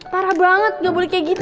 parah banget gak boleh kayak gitu